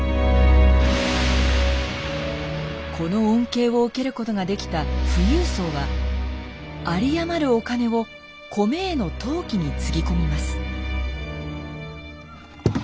この恩恵を受けることができた富裕層は有り余るお金を米への投機につぎ込みます。